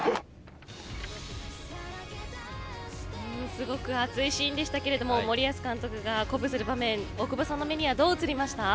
すごく熱いシーンでしたけれど森保監督が鼓舞する場面大久保さんの目にはどう映りましたか。